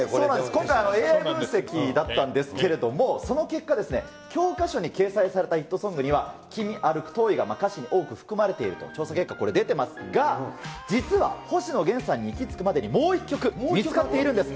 今回、ＡＩ分析だったんですけれども、その結果ですね、教科書に掲載されたヒットソングには、君、歩く、遠いが歌詞に多く含まれていると、調査結果、これ、出てますが、実は、星野源さんに行き着くまでにもう一曲見つかっているんです。